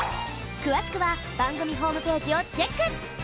くわしくはばんぐみホームページをチェック！